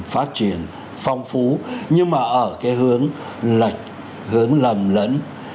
phát triển phong phú nhưng mà ở cái hướng lệch hướng lầm lẫn